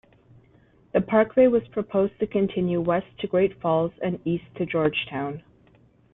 The parkway was proposed to continue west to Great Falls and east to Georgetown.